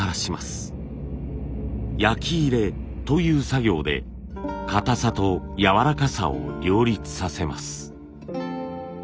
「焼き入れ」という作業で硬さとやわらかさを両立させます。